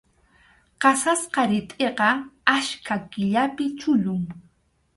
Qasasqa ritʼiqa achka killapi chullun.